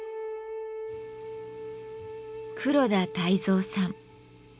黒田泰蔵さん。